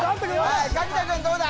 柿田君どうだ？